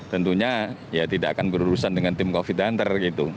tentunya tidak akan berurusan dengan tim covid hunter